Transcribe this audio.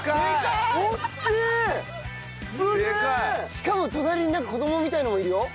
しかも隣になんか子供みたいなのもいるよ。